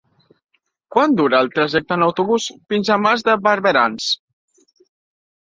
Quant dura el trajecte en autobús fins a Mas de Barberans?